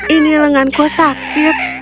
ini lenganku sakit